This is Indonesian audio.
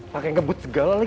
pakai ngebut segala lagi